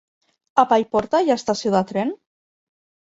A Paiporta hi ha estació de tren?